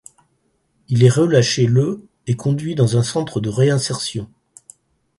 Il est relâché le et conduit dans un centre de réinsertion.